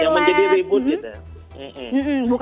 yang menjadi repot gitu